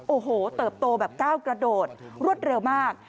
โอ้โหเติบโตแบบก้าวกระโดดรวดเร็วมาก